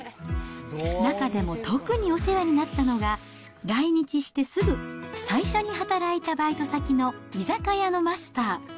中でも特にお世話になったのが、来日してすぐ最初に働いたバイト先の居酒屋のマスター。